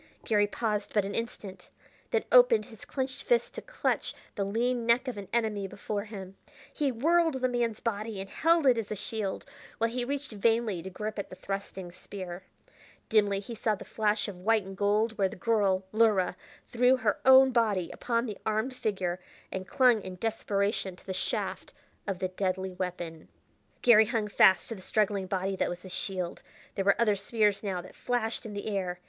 Garry paused but an instant, then opened his clenched fists to clutch the lean neck of an enemy before him. He whirled the man's body and held it as a shield while he reached vainly to grip at the thrusting spear. Dimly he saw the flash of white and gold where the girl, Luhra, threw her own body upon the armed figure and clung in desperation to the shaft of the deadly weapon. Garry hung fast to the struggling body, that was his shield; there were other spears now that flashed in the air.